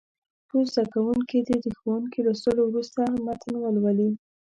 څو زده کوونکي دې د ښوونکي لوستلو وروسته متن ولولي.